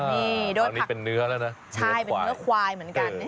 อันนี้เป็นเนื้อแล้วนะใช่เป็นเนื้อควายเหมือนกัน